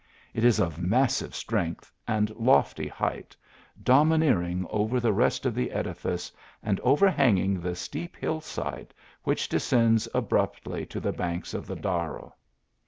It is of massive strength, and lofty height, domineering over the rest of the edifice, and overhanging the steep hill side, which descends ab rupily to the banks of the Darro.